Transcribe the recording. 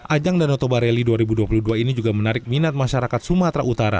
ajang danau toba rally dua ribu dua puluh dua ini juga menarik minat masyarakat sumatera utara